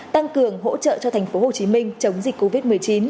tăng cường hỗ trợ cho thành phố hồ chí minh chống dịch covid một mươi chín